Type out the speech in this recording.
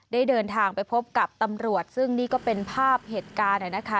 ได้เดินทางไปพบกับตำรวจซึ่งนี่ก็เป็นภาพเหตุการณ์นะคะ